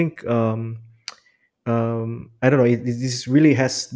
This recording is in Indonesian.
ini benar benar membuat